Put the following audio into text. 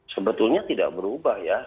sebetulnya tidak berubah ya